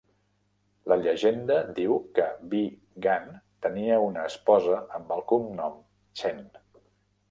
La llegenda diu que Bi Gan tenia una esposa amb el cognom Chen.